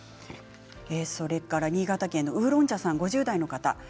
それから新潟県の５０代の方です。